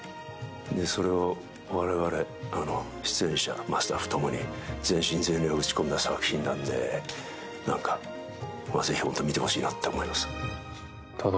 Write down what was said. それを我々出演者、スタッフともに全身全霊で打ち込んだ作品なので、ぜひ、本当に見てほしいなと思います。